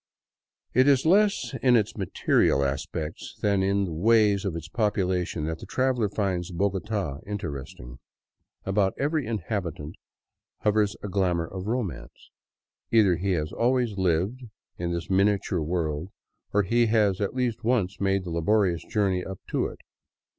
It is less in its material aspects than in the ways of its population that the traveler finds Bogota interesting. About every inhabitant hovers a glamour of romance. Either he has always lived in this miniature world, or he has at least once made the laborious journey up to it.